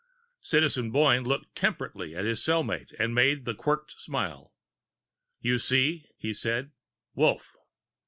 Citizen Boyne looked temperately at his cellmate and made the Quirked Smile. "You see?" he said. "Wolf."